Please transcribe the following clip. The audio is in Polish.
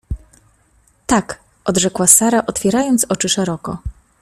— Tak! — odrzekła Sara, otwierając oczy szeroko.